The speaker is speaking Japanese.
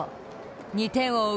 ２点を追う